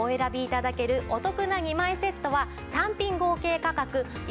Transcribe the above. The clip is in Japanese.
頂けるお得な２枚セットは単品合計価格